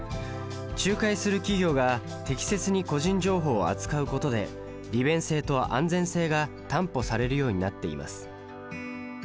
仲介する企業が適切に個人情報を扱うことで利便性と安全性が担保されるようになっています。